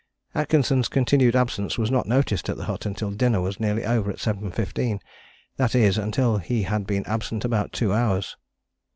Atkinson's continued absence was not noticed at the hut until dinner was nearly over at 7.15; that is, until he had been absent about two hours.